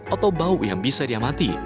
atau bau yang bisa diamati